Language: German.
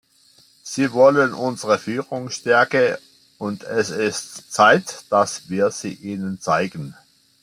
Sie wollen unsere Führungsstärke, und es ist Zeit, dass wir sie Ihnen zeigen.